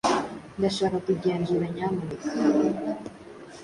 Ndashaka kugenzura, nyamuneka.